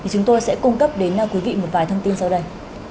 chúng tôi sẽ cung cấp đến quý vị một vài thông tin sau đây